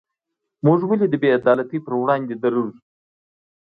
موږ ولې د بې عدالتۍ پر وړاندې دریږو؟